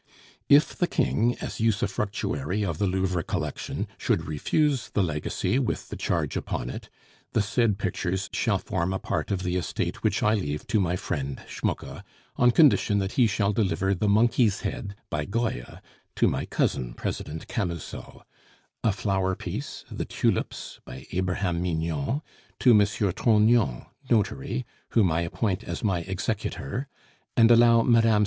"If the King, as usufructuary of the Louvre collection, should refuse the legacy with the charge upon it, the said pictures shall form a part of the estate which I leave to my friend, Schmucke, on condition that he shall deliver the Monkey's Head, by Goya, to my cousin, President Camusot; a Flower piece, the tulips, by Abraham Mignon, to M. Trognon, notary (whom I appoint as my executor): and allow Mme.